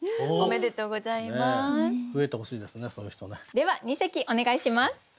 では二席お願いします。